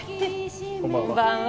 こんばんは。